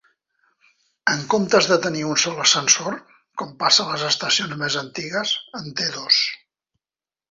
En comptes de tenir un sol ascensor, com passa a les estacions més antigues, en té dos.